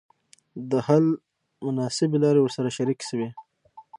د حل مناسبي لاري ورسره شریکي سوې.